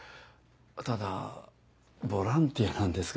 ただボランティアなんですが。